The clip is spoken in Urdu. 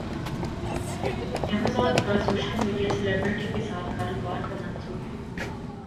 ایمازون کا سوشل میڈیا سلیبرٹی کے ساتھ کاروبار کا منصوبہ